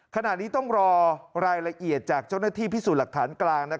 ขณะนี้ต้องรอรายละเอียดจากเจ้าหน้าที่พิสูจน์หลักฐานกลาง